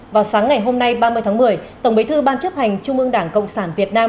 vào sáng ngày hôm nay ba mươi tháng một mươi tổng bí thư ban chấp hành trung ương đảng cộng sản việt nam